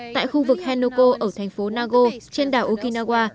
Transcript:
tại khu vực henoko ở thành phố nago trên đảo okinawa